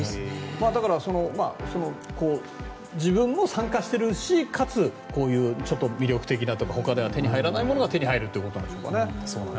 だから、自分も参加しているしかつ、こういう魅力的なというかほかでは手に入らないものが手に入るということなんでしょうかね。